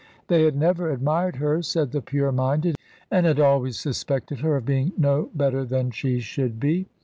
They had never admired her, said the pure minded, and had always suspected her of being no better than she should be.